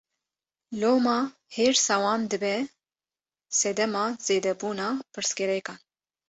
Loma hêrsa wan dibe sedema zêdebûna pirsgirêkan.